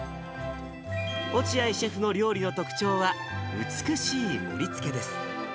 落合シェフの料理の特徴は、美しい盛りつけです。